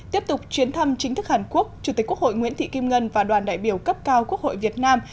tiếp tục chuyến thăm chính thức hàn quốc chủ tịch quốc hội nguyễn thị kim ngân và đoàn đại biểu cấp cao quốc hội việt nam